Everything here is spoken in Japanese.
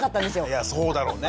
いやそうだろうね。